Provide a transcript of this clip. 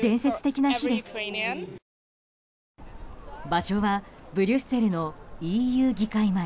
場所はブリュッセルのＥＵ議会前。